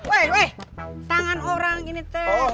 wey wey tangan orang ini teh